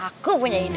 aku punya ide